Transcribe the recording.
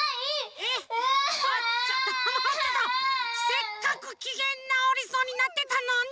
せっかくきげんなおりそうになってたのに！